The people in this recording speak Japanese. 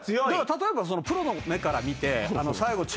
例えばプロの目から見て。